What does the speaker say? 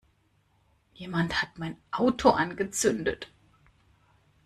Jemand hat mein Auto angezündet!